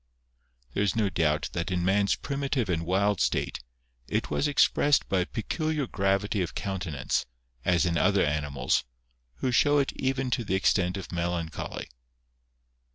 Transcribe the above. There is no doubt that in man's primitive and wild state, it was expressed by a peculiar gravity of countenance, as in other animals, who show it even to the extent of melancholy.